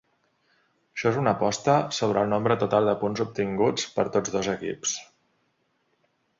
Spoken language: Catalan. Això és una aposta sobre el nombre total de punts obtinguts per tots dos equips.